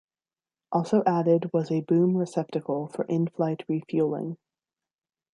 Also added was a boom receptacle for inflight refueling.